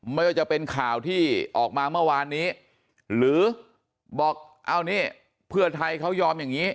ไม่ว่าจะเป็นข่าวที่ออกมาเมื่อวานนี้หรือบอกเอานี่เพื่อไทยเขายอมอย่างนี้